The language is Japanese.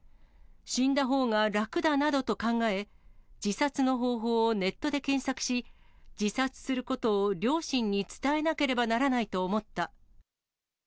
死んだほうが楽だなどと考え、自殺の方法をネットで検索し、自殺することを両親に伝えなければならないと思った。